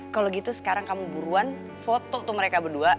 kalau gitu sekarang kamu buruan foto tuh mereka berdua